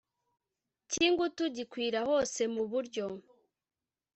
cyingutu gikwira hose muburyo